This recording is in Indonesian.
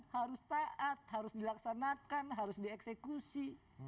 harus taat harus dilaksanakan harus dieksekusi